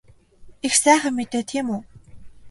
Их сайхан мэдээ тийм үү?